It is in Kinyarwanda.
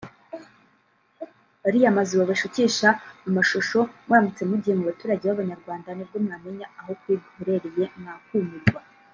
Ariya mazu babashukisha mu mashusho muramutse mugiye mu baturage b’abanyarwanda nibwo mwamenya aho ukuri guherereye mwakumirwa